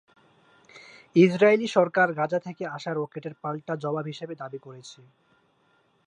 Israeli সরকার Gaza থেকে আসা রকেটের পাল্টা জবাব হিসেবে দাবি করেছে।